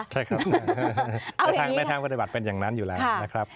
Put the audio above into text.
ใช่ครับในทางปฏิบัติเป็นอย่างนั้นอยู่แล้วนะครับ